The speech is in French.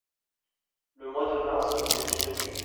Le mois de mars où vous étiez venus.